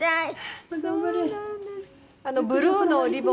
はい。